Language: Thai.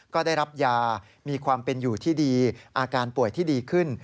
ก็ได้รับยามีความเป็นอยู่ที่ดีอาการป่วยที่ดีขึ้น